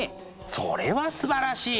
それはすばらしい！